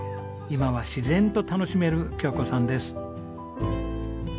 今は自然と楽しめる京子さんです。